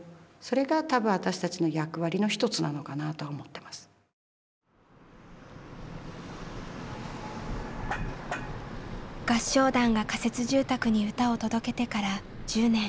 長いんだけど合唱団が仮設住宅に歌を届けてから１０年。